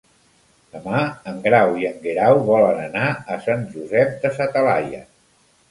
Demà en Grau i en Guerau volen anar a Sant Josep de sa Talaia.